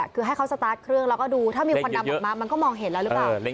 คือให้เขาสตาร์ทเครื่องแล้วก็ดูถ้ามีควันดำออกมามันก็มองเห็นแล้วหรือเปล่า